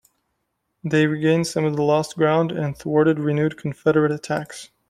They regained some of the lost ground and thwarted renewed Confederate attacks.